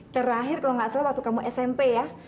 terakhir kalo gak salah waktu kamu smp ya